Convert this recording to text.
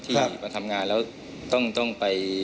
มาทำงานแล้วต้องไป